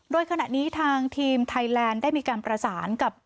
โดยขณะนี้ทางทีมไทยแลนด์ได้มีการประสานกับ